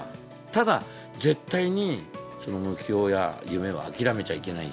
ただ、絶対に目標や夢は諦めちゃいけない。